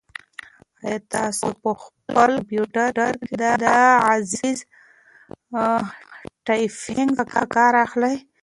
آیا تاسو په خپل کمپیوټر کې د غږیز ټایپنګ څخه کار اخلئ؟